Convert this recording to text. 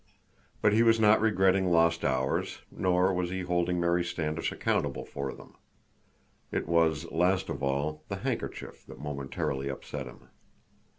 But he was not regretting lost hours, nor was he holding Mary Standish accountable for them. It was, last of all, the handkerchief that momentarily upset him.